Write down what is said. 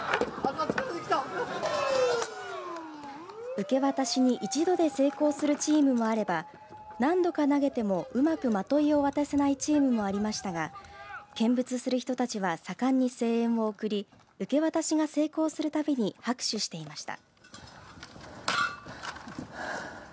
受け渡しに一度で成功するチームもあれば何度か投げても、うまくまといを渡せないチームもありましたが見物する人たちは盛んに声援を送り受け渡しが成功するたびに拍手していました。